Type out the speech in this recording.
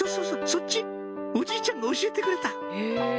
そっちおじいちゃんが教えてくれた！